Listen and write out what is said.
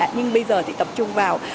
nhưng bây giờ thì tập trung vào